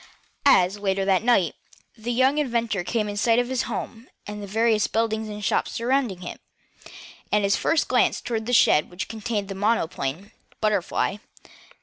As, later that night, the young inventor came in sight of his home, and the various buildings and shops surrounding it, his first glance was toward the shed which contained his monoplane, BUTTERFLY.